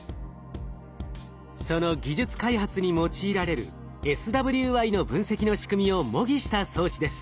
その技術開発に用いられるＳＷＩの分析の仕組みを模擬した装置です。